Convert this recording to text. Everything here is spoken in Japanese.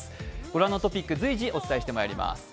ご覧のトピック随時お伝えしてまいります。